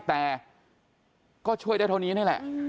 แต่ก็ช่วยได้เท่านี้นี่แหละ